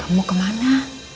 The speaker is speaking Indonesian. aku mau kemana